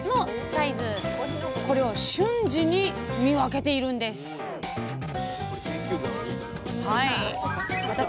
これを瞬時に見分けているんですまた